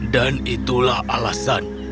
dan itulah alasan